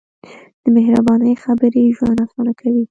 د مهربانۍ خبرې ژوند اسانه کوي.